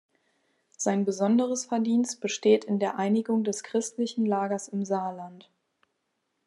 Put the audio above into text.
Sein besonderes Verdienst besteht in der Einigung des christlichen Lagers im Saarland.